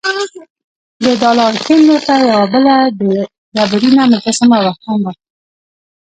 د دالان کیڼ لور ته یوه بله ډبرینه مجسمه هم وه.